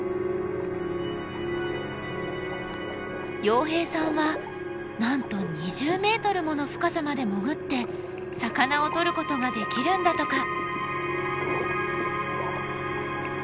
洋平さんはなんと２０ｍもの深さまで潜って魚をとることができるんだとか。